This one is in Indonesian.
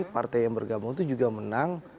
partai yang bergabung itu juga menang